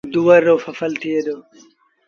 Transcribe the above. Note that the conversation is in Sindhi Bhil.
دوُور رو ڦسل ٿئي دو۔